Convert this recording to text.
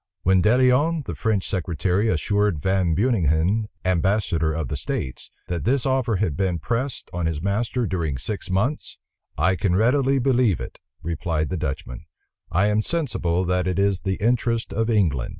When De Lionne, the French secretary, assured Van Beuninghen, ambassador of the states, that this offer had been pressed on his master during six months, "I can readily believe it," replied the Dutchman; "I am sensible that it is the interest of England."